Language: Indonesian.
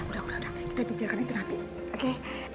udah udah kita pikirkan itu nanti oke